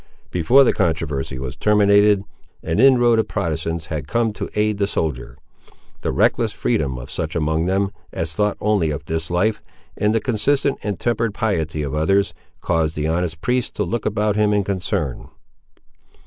Before the controversy was terminated, an inroad of Protestants had come to aid the soldier. The reckless freedom of such among them, as thought only of this life, and the consistent and tempered piety of others, caused the honest priest to look about him in concern.